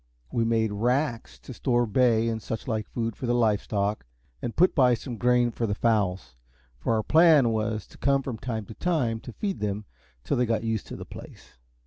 We made racks to store bay and such like food for the live stock, and put by some grain for the fowls, for our plan was to come from time to time to feed them, till they got used to the place.